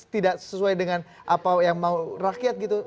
tidak sesuai dengan apa yang mau rakyat gitu